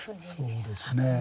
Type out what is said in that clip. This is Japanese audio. そうですね。